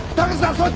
そっち！